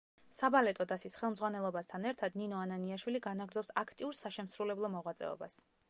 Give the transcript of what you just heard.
საბალეტო დასის ხელმძღვანელობასთან ერთად ნინო ანანიაშვილი განაგრძობს აქტიურ საშემსრულებლო მოღვაწეობას.